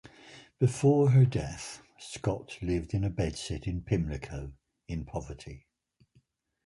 Before her death, Scott lived in a bedsit in Pimlico in poverty.